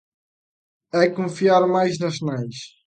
E confiar máis nas nais.